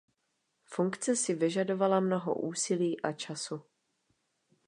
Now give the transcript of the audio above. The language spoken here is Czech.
Funkce si vyžadovala mnoho úsilí a času.